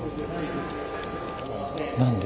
何で？